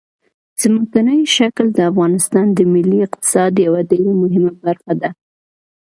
ځمکنی شکل د افغانستان د ملي اقتصاد یوه ډېره مهمه برخه ده.